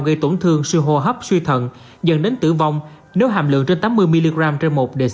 gây tổn thương sự hô hấp suy thận dẫn đến tử vong nếu hàm lượng trên tám mươi mg trên một dl